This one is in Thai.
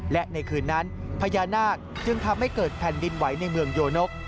และในคืนนั้นพญานาคจึงทำให้เกิดแผ่นดินไหวในเมืองโยนก